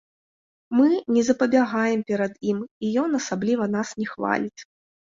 Мы не запабягаем перад ім і ён асабліва нас не хваліць.